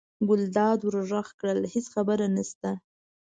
ګلداد ور غږ کړل: هېڅ خبره نشته.